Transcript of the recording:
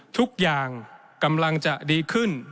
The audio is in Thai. ทุกอย่างกำลังจะดีขึ้น